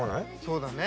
そうだね。